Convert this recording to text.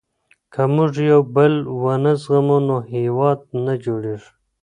که موږ يو بل ونه زغمو نو هېواد نه جوړېږي.